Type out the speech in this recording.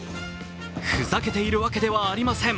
ふざけているわけではありません。